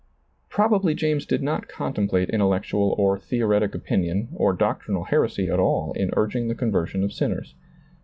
Probably James did not contemplate intellectual or theoretic opinion or doctrinal heresy at all in urging the conversion of sinners.